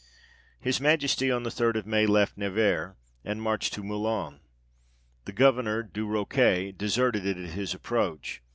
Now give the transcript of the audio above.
His Majesty on the third of May left Nevers, and marched to Moulins ; the Governour, du Roquet, deserted it at his approach.